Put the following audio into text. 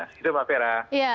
terima kasih pak fera